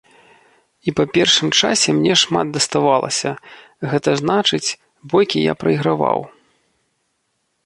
І па першым часе мне шмат даставалася, гэта значыць, бойкі я прайграваў.